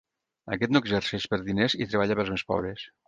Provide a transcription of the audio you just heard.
Aquest no exerceix per diners i treballa pels més pobres.